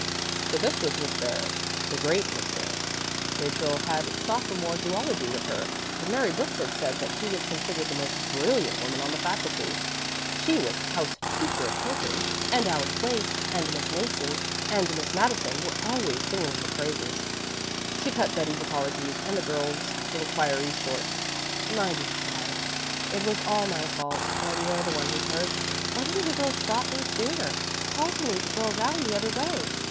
So this was Miss Ferris the great Miss Ferris. Rachel had sophomore zoology with her and Mary Brooks had said that she was considered the most brilliant woman on the faculty. She was "house teacher" at the Hilton, and Alice Waite and Miss Madison were always singing her praises. She cut Betty's apologies and the girls' inquiries short. "My dear child, it was all my fault, and you're the one who's hurt. Why didn't you girls stop me sooner call to me to go round the other way?